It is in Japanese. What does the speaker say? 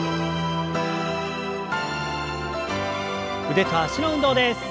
腕と脚の運動です。